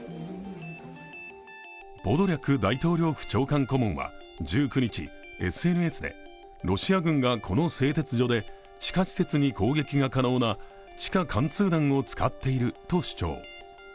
ポドリャク大統領府長官顧問は１９日、ＳＮＳでロシア軍がこの製鉄所で地下施設に攻撃が可能な地下貫通弾を使っていると主張。